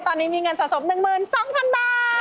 ตอนนี้มีเงินสะสม๑๒๐๐๐บาท